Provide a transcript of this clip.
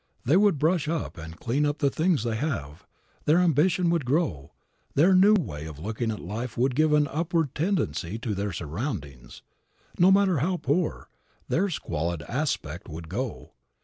They would brush up and clean up the things they have; their ambition would grow; their new way of looking at life would give an upward tendency to their surroundings. No matter how poor, their squalid aspect would go.